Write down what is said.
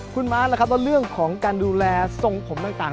คุณม้าล่ะครับแล้วเรื่องของการดูแลทรงผมต่าง